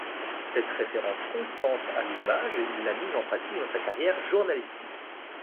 Cette référence constante à l'image, il l'a mise en pratique dans sa carrière journalistique.